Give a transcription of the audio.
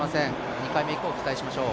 ２回目以降、期待しましょう。